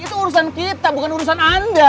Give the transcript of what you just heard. itu urusan kita bukan urusan anda